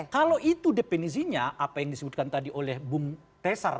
kalau itu definisinya apa yang disebutkan tadi oleh bung tesar